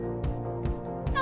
何？